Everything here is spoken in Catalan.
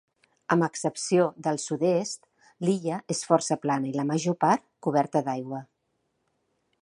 Amb excepció del sud-est, l'illa és força plana i la major part coberta d'aigua.